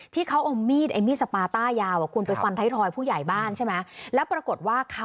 ที่เขาเอามีด